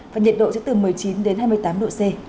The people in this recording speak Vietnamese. và nhiệt độ sẽ từ một mươi chín đến hai mươi tám độ c